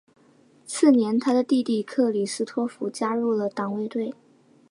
次年他的弟弟克里斯托福加入了党卫队。